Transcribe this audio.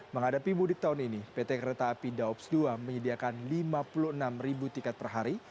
menghadapi mudik tahun ini pt kereta api daops dua menyediakan lima puluh enam ribu tiket per hari